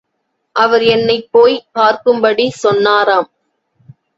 அவர் என்னைப் போய் பார்க்கும்படி சொன்னாராம்.